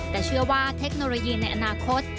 แต่เชื่อว่าเทคโนโลยีในอนาคต